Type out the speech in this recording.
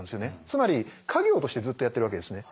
つまり家業としてずっとやってるわけですね。